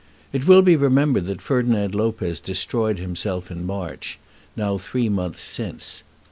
It will be remembered that Ferdinand Lopez destroyed himself in March, now three months since.